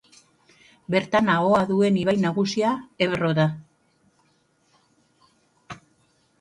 Bertan ahoa duen ibai nagusia Ebro da.